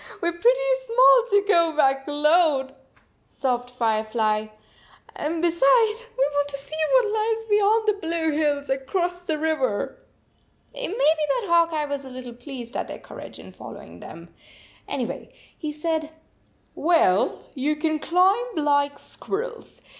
We re pretty small to go back alone," sobbed Firefly. "And be sides, we want to see what lies beyond the blue hills across the river." It may be that Hawk Eye was a little pleased at their courage in following them. Anyway, he said: "Well, you can climb like squirrels.